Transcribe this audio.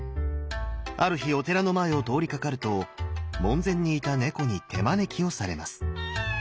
ある日お寺の前を通りかかると門前にいた猫に手招きをされます。